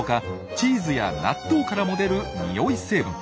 チーズや納豆からも出るニオイ成分。